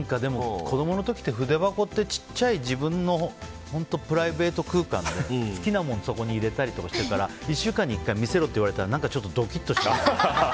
子供の時って筆箱って、小さい自分のプライベート空間で好きなものをそれに入れたりしてたら見せろって言われたらちょっとドキッとして。